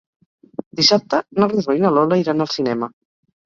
Dissabte na Rosó i na Lola iran al cinema.